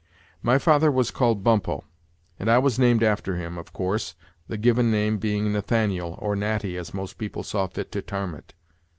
My father was called Bumppo; and I was named after him, of course, the given name being Nathaniel, or Natty, as most people saw fit to tarm it."